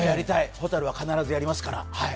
蛍は必ずやりますから！